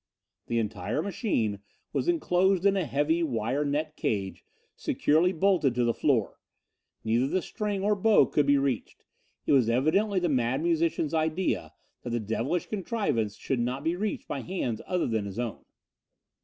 The entire machine was enclosed in a heavy wire net cage, securely bolted to the floor. Neither the string or bow could be reached. It was evidently the Mad Musician's idea that the devilish contrivance should not be reached by hands other than his own.